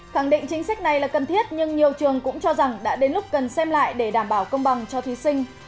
khẳng định chính sách này là cần thiết nhưng nhiều trường cũng cho rằng đã đến lúc cần xem lại để đảm bảo công bằng cho thí sinh